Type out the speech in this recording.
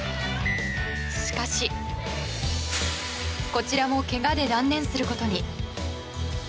しかし、こちらもけがで断念することに。